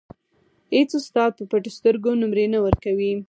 اېڅ استاد په پټو سترګو نومرې نه ورکوي.